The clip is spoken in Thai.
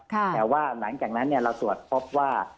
แต่ว่าหลังจากนั้นเราตรวจพบว่า